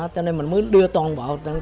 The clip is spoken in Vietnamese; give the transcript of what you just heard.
cho nên mình muốn đưa toàn bộ